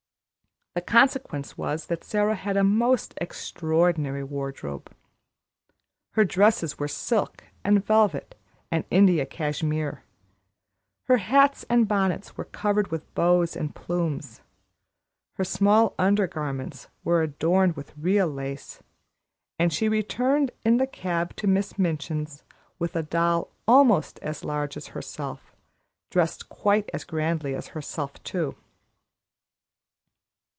The consequence was that Sara had a most extraordinary wardrobe. Her dresses were silk and velvet and India cashmere, her hats and bonnets were covered with bows and plumes, her small undergarments were adorned with real lace, and she returned in the cab to Miss Minchin's with a doll almost as large as herself, dressed quite as grandly as herself, too.